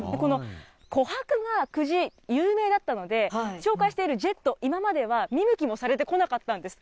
この琥珀が久慈、有名だったので、紹介しているジェット、今までは見向きもされてこなかったんです。